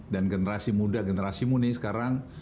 dan generasi muda generasi muni sekarang